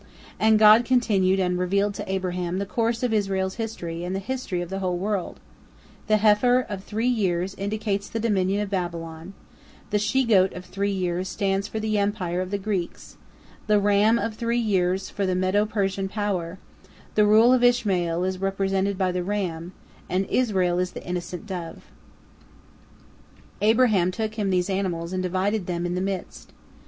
" And God continued and revealed to Abraham the course of Israel's history and the history of the whole world: The heifer of three years indicates the dominion of Babylon, the she goat of three years stands for the empire of the Greeks, the ram of three years for the Medo Persian power, the rule of Ishmael is represented by the ram, and Israel is the innocent dove. Abraham took him these animals and divided them in the midst.